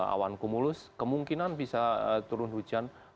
awan kumulus kemungkinan bisa turun hujan